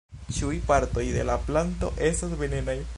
Ĉiuj partoj de la planto estas venenaj.